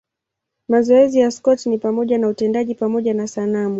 Mazoezi ya Scott ni pamoja na utendaji pamoja na sanamu.